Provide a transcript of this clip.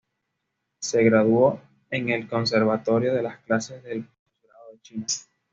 Se graduó en el Conservatorio de las clases de postgrado de China.